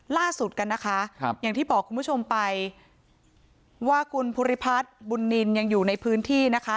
ล่าสุดกันนะคะอย่างที่บอกคุณผู้ชมไปว่าคุณภูริพัฒน์บุญนินยังอยู่ในพื้นที่นะคะ